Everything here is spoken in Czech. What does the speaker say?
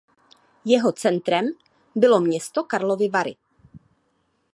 Jeho centrem bylo město Karlovy Vary.